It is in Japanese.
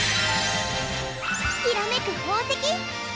きらめく宝石！